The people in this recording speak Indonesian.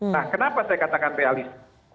nah kenapa saya katakan realis